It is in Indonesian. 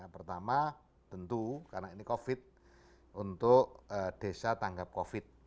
pertama tentu karena ini covid untuk desa tanggap covid